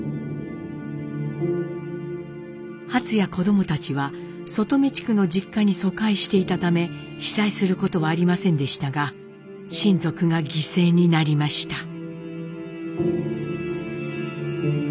ハツや子供たちは外海地区の実家に疎開していたため被災することはありませんでしたが親族が犠牲になりました。